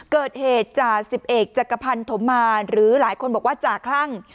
เกิดเหตุจ่า๑๑จักรพันธมมารหรือหลายคนบอกว่าจ่าคลั่ง